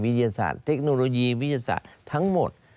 วิทยาศาสตร์เทคโนโลยีวิทยาศาสตร์ทั้งหมด